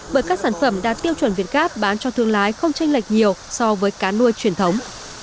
bởi các sản phẩm đạt tiêu chuẩn việt gáp bán cho thương lái không tranh lệch nhiều so với cá nuôi truyền thống